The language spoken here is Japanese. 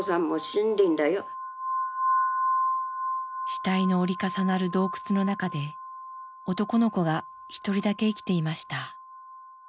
死体の折り重なる洞窟の中で男の子が一人だけ生きていました。